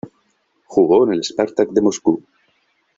Jugó en el Spartak de Moscú.